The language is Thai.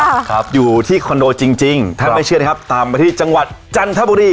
ครับอยู่ที่คอนโดจริงจริงถ้าไม่เชื่อนะครับตามไปที่จังหวัดจันทบุรี